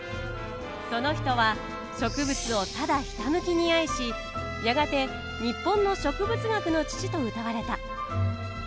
その人は植物をただひたむきに愛しやがて日本の植物学の父とうたわれた。